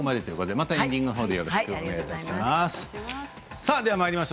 またエンディングでよろしくお願いします。